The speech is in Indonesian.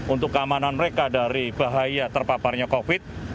untuk keamanan mereka dari bahaya terpaparnya covid